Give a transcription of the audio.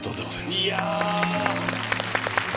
いや！